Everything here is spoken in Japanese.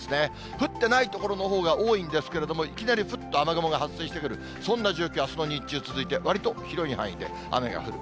降ってない所のほうが多いんですけれども、いきなりふっと雨雲が発生してくる、そんな状況、あすの日中、続いて、わりと広い範囲で雨が降る。